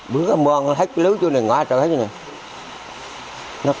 bữa cơm môn hết lứa chỗ này ngoá trở hết chỗ này